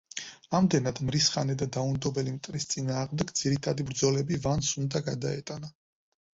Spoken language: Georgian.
ამდენად, მრისხანე და დაუნდობელი მტრის წინააღმდეგ ძირითადი ბრძოლები ვანს უნდა გადაეტანა.